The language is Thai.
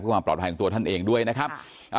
ความปลอดภัยของตัวท่านเองด้วยนะครับ